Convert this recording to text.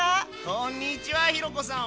こんにちはひろ子さん。